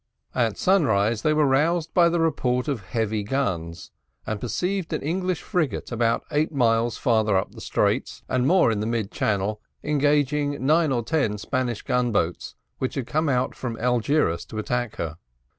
At sunrise they were roused by the report of heavy guns, and perceived an English frigate about eight miles farther up the Straits, and more in the mid channel, engaging nine or ten Spanish gunboats, which had come out from Algesiras to attack her.